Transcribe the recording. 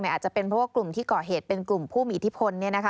อาจจะเป็นเพราะว่ากลุ่มที่ก่อเหตุเป็นกลุ่มผู้มีอิทธิพล